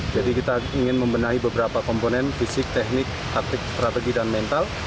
jadi kita ingin membenahi beberapa komponen fisik teknik artik strategi dan mental